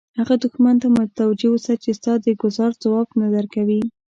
هغه دښمن ته متوجه اوسه چې ستا د ګوزار ځواب نه درکوي.